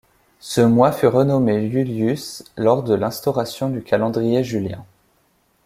Ce mois fut renommé Iulius lors de l'instauration du calendrier julien.